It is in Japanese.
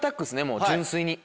もう純粋に。